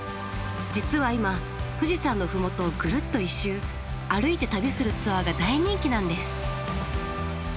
実は今富士山の麓をぐるっと一周歩いて旅するツアーが大人気なんです。